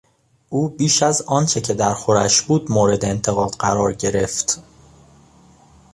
او بیش از آنچه که درخورش بود مورد انتقاد قرار گرفت.